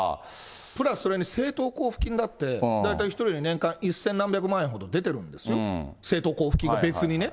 プラスそれに政党交付金だって、大体１人で年間一千何百万円ほど出てるんですよ、政党交付金で別にね。